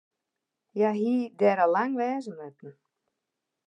Hja hie der al lang wer wêze moatten.